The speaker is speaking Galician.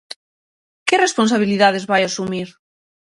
Que responsabilidades vai asumir?